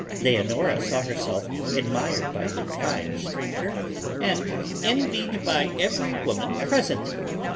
Leonora saw herself admired by the fine stranger, and envied by every woman present.